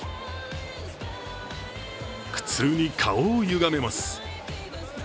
苦痛に顔をゆがめます。